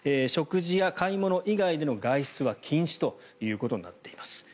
食事や買い物以外での外出は禁止ということになっています。